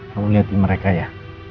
kalau lihat di mereka ya